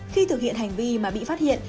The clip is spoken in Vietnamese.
khi thực hiện hành vi mà bị phát hiện